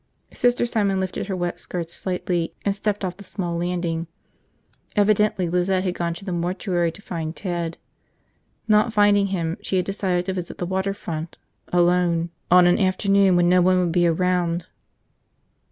Sister Simon lifted her wet skirts slightly and stepped off the small landing. Evidently Lizette had gone to the mortuary to find Ted. Not finding him, she had decided to visit the water front. Alone. On an afternoon when no one would be around.